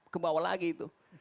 kebawah lagi itu